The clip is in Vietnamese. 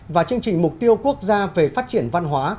và chương trình mục tiêu quốc gia về phát triển văn hóa